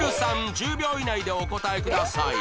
１０秒以内でお答えください